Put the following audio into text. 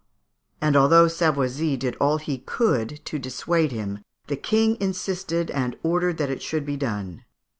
And, although Savoisy did all he could to dissuade him, the King insisted, and ordered that it should be done.